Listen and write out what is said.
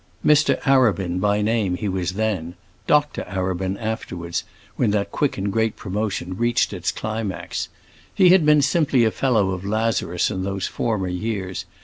Mr. Arabin by name he was then; Dr. Arabin afterwards, when that quick and great promotion reached its climax. He had been simply a Fellow of Lazarus in those former years.